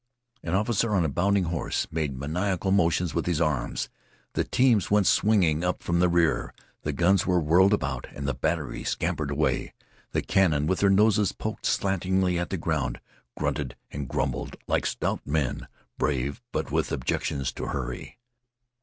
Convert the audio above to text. An officer on a bounding horse made maniacal motions with his arms. The teams went swinging up from the rear, the guns were whirled about, and the battery scampered away. The cannon with their noses poked slantingly at the ground grunted and grumbled like stout men, brave but with objections to hurry.